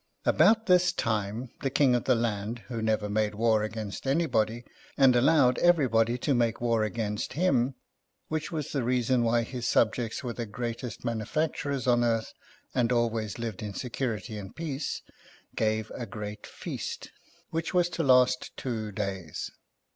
About this time, the Kinp of the land, who never made war against anyboay, and allowed everybody to make war against him — which was the reason why his subjects were the greatest manufVicturers on earth, and always lived in security and peace — gave a great feast, which was to last two days.